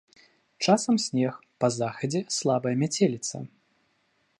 Часам снег, па захадзе слабая мяцеліца.